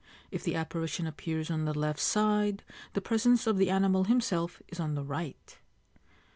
If the apparition appears on the left side, the presence of the animal himself is on the right.)